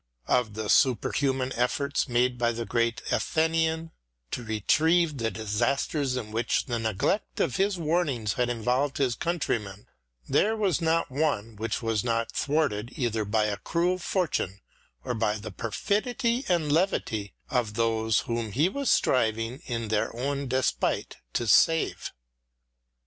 Of the super human efforts made by the great Athenian to retrieve the disasters in which the neglect of his warnings had involved his countrymen, there was not one which was not thwarted either by a cruel fortune or by the perfidy and levity of those whom he was striving in their own despite to save.